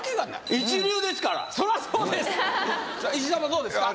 どうですか？